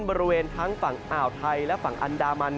บริเวณทั้งฝั่งอ่าวไทยและฝั่งอันดามัน